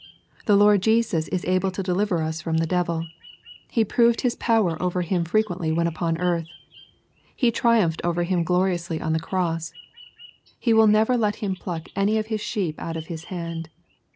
The Lord Jesus is able to deliver us from the devil. He proved his power over him fre quently when upon eartk He triumphed over him glori ously on the cross. He will never let him pluck any of His sheep out of His hand.